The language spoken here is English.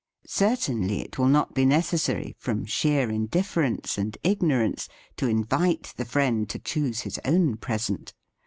Certainly it will not be necessary, from sheer indifference and ignorance, to invite the friend to choose his own present.